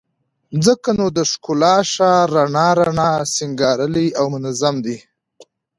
ځکه نو د ښکلا ښار رڼا رڼا، سينګارلى او منظم دى